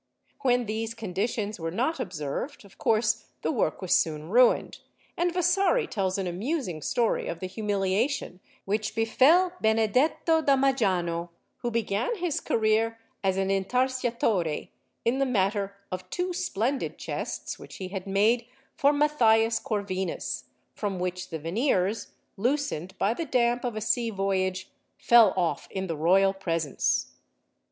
When these conditions were not observed, of course the work was soon ruined, and Vasari tells an amusing story of the humiliation which befell Benedetto da Majano, who began his career as an Intarsiatore, in the matter of two splendid chests which he had made for Matthias Corvinus, from which the veneers, loosened by the damp of a sea voyage, fell off in the royal presence.